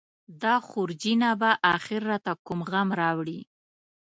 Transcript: دا خورجینه به اخر راته کوم غم راوړي.